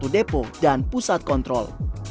depo dan pusat kontrol